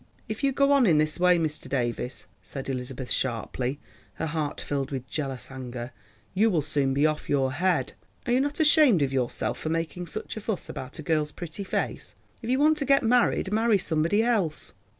"If you go on in this way, Mr. Davies," said Elizabeth sharply, her heart filled with jealous anger, "you will soon be off your head. Are you not ashamed of yourself for making such a fuss about a girl's pretty face? If you want to get married, marry somebody else."